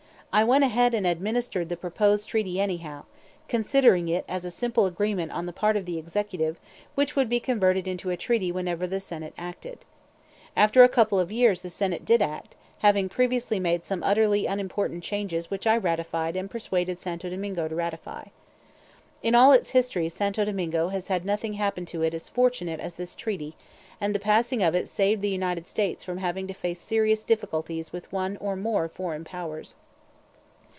I went ahead and administered the proposed treaty anyhow, considering it as a simple agreement on the part of the Executive which would be converted into a treaty whenever the Senate acted. After a couple of years the Senate did act, having previously made some utterly unimportant changes which I ratified and persuaded Santo Domingo to ratify. In all its history Santo Domingo has had nothing happen to it as fortunate as this treaty, and the passing of it saved the United States from having to face serious difficulties with one or more foreign powers.